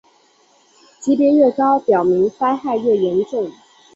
级别越高表明灾害越严重。